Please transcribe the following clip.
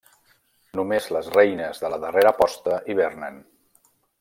Només les reines de la darrera posta hivernen.